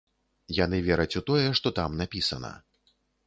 Яны вераць у тое, што там напісана.